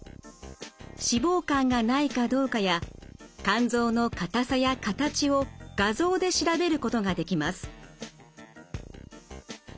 脂肪肝がないかどうかや肝臓の硬さや形を画像で調べることができます。